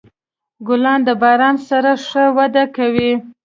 ګلان د باران سره ښه وده کوي.